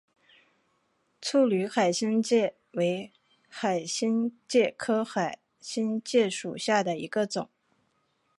处女海星介为海星介科海星介属下的一个种。